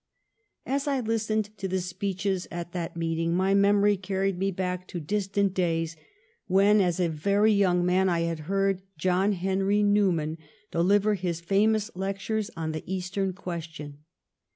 As I listened to the speeches at that meeting, my memory carried me back to distant days when, as a very young man, I had heard John Henry Newman deliver his famous lectures on the Eastern Question.